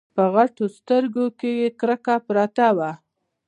په غټو سترګو کې يې کرکه پرته وه.